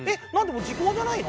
もう時効じゃないの？